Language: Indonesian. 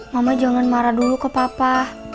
mama jangan marah dulu ke papa